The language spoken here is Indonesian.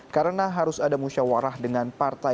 karena harus ada musyawarah dengan partai